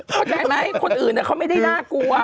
เข้าใจไหมคนอื่นเขาไม่ได้น่ากลัว